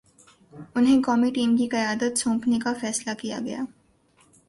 انہیں قومی ٹیم کی قیادت سونپنے کا فیصلہ کیا گیا۔